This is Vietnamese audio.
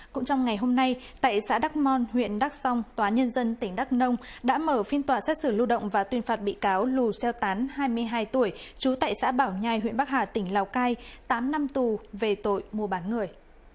cũng trong ngày hôm nay tại xã đắc mon huyện đắk song tòa nhân dân tỉnh đắk nông đã mở phiên tòa xét xử lưu động và tuyên phạt bị cáo lù xeo tán hai mươi hai tuổi trú tại xã bảo nhai huyện bắc hà tỉnh lào cai tám năm tù về tội mua bán người